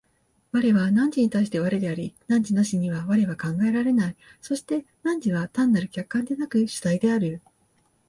我は汝に対して我であり、汝なしには我は考えられない、そして汝は単なる客観でなく主体である。